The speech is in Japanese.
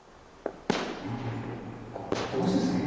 あっこれとってもおいしいですね。